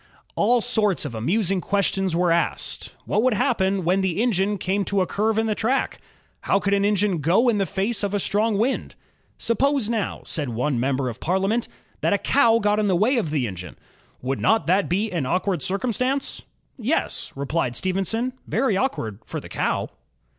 All sorts of amusing questions were asked: What would happen when the engine came to a curve in the track? How could an engine go in the face of a strong wind? "Suppose now," said one member of Parliament, "that a cow got in the way of the engine; would not that be an awkward circumstance? "^' Yes," replied Stephenson, "very awkward for the cow."